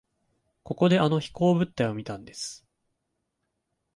ここであの飛行物体を見たんです。